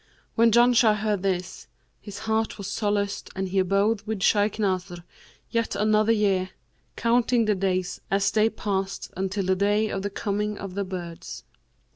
When Janshah heard this, his heart was solaced and he abode with Shaykh Nasr yet another year, counting the days as they passed until the day of the coming of the birds.